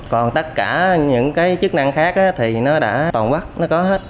còn tất cả những cái chức năng khác thì nó đã toàn quốc nó có hết